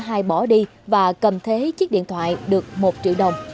hai bỏ đi và cầm thế chiếc điện thoại được một triệu đồng